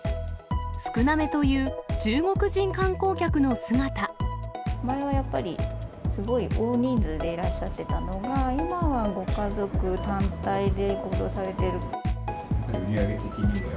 少なめという中国人観光客の前はやっぱり、すごい大人数でいらっしゃってたのが、今は、ご家族単体で行動さ売り上げ的には？